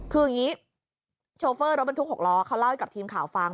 คืออย่างนี้โชเฟอร์รถบรรทุก๖ล้อเขาเล่าให้กับทีมข่าวฟัง